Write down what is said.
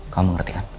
kamu mengerti kan